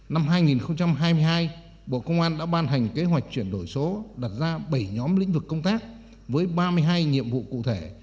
năm hai nghìn hai mươi hai bộ công an đã ban hành kế hoạch chuyển đổi số đặt ra bảy nhóm lĩnh vực công tác với ba mươi hai nhiệm vụ cụ thể